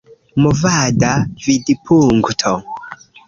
Movada Vidpunkto